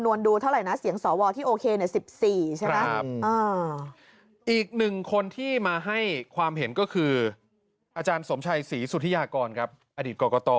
จะได้เพิ่งแต่สอคือกติกาไงใช่